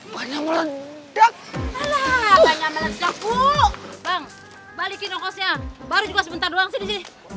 balikin ongkosnya baru juga sebentar doang sih